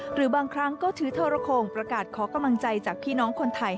หรือบางครั้งก็ถือทรโคงประกาศขอกำลังใจจากพี่น้องคนไทย